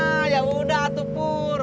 ah ya udah tuh pur